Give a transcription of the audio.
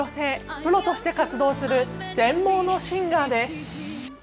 プロとして活動する全盲のシンガーです。